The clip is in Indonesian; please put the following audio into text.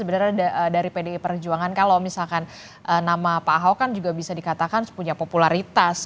sebenarnya dari pdi perjuangan kalau misalkan nama pak ahok kan juga bisa dikatakan punya popularitas